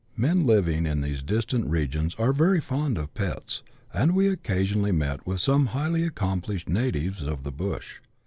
Men living in these distant regions are very fond of " pets," and we occasion ally met with some highly accomplished natives of the bush.